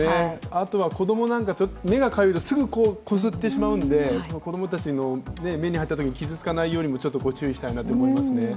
あとは子どもなんかは目がかゆいとすぐこすってしまうんで、子供たちの目に入ったときに傷つかないようにも注意したいなと思いますね。